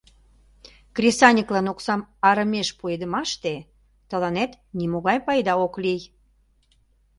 Кресаньыклан оксам арымеш пуэдымаште тыланет нимогай пайда ок лий.